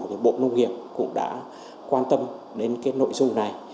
thì bộ nông nghiệp cũng đã quan tâm đến cái nội dung này